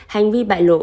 hành vi bại lộ